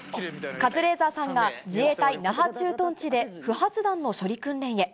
カズレーザーさんが、自衛隊那覇駐屯地で不発弾の処理訓練へ。